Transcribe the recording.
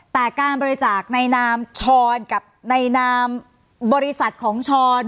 แต่การบริจาคในนามช้อนกับในนามบริษัทของช้อน